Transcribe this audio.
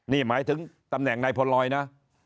นี่หมายถึงตำแหน่งนายพลลอยนะ